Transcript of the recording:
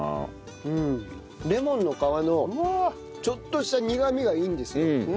レモンの皮のちょっとした苦みがいいんですよ。